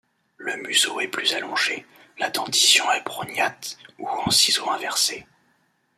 Le museau est plus allongé, la dentition est prognathe ou en ciseau inversé.